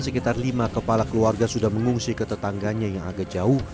sekitar lima kepala keluarga sudah mengungsi ke tetangganya yang agak jauh